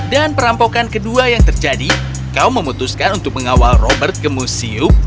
dan perampokan kedua yang terjadi kau memutuskan untuk mengawal robert ke museum